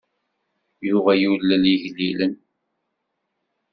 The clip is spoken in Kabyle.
Yuba yulel igellilen.